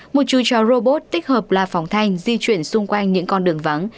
một chú chó robot tích hợp là phòng thanh di chuyển xung quanh những con đường vắng